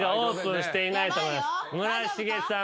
村重さん。